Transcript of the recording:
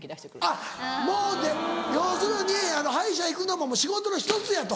あっもう要するに歯医者行くのも仕事の１つやと。